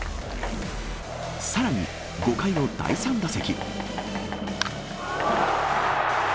さらに５回の第３打席。